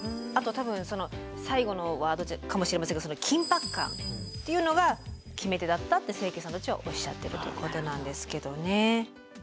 あと多分その最後のワードかもしれませんが緊迫感っていうのが決め手だったって清家さんたちはおっしゃってるということなんですけどね。